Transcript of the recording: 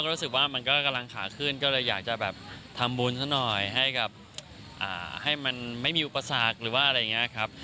รู้สึกว่ามันก็กำลังขาขึ้นก็เลยอยากจะแบบทำบุญซะหน่อยให้กับให้มันไม่มีอุปสรรคหรือว่าอะไรอย่างนี้ครับ